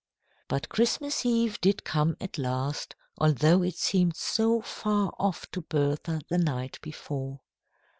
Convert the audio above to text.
But Christmas Eve did come at last, although it seemed so far off to Bertha the night before.